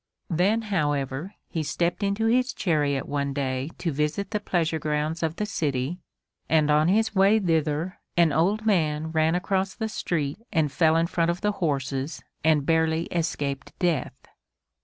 Then, however, he stepped into his chariot one day to visit the pleasure grounds of the city, and on his way thither an old man ran across the street and fell in front of the horses and barely escaped death.